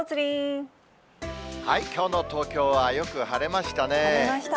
きょうの東京は、よく晴れま晴れました。